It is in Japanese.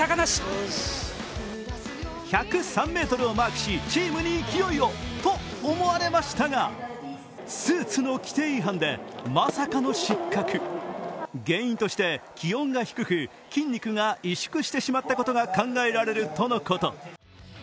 １０３ｍをマークし、チームに勢いをと思われましたがスーツの規定違反で、まさかの失格原因として、気温が低く筋肉が萎縮してしまったことが考えられるとのこと。